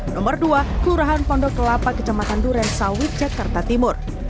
nomor dua kelurahan pondok kelapa kecamatan durensawit jakarta timur